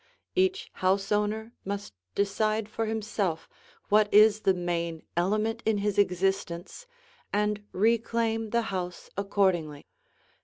Each house owner must decide for himself what is the main element in his existence and reclaim the house accordingly.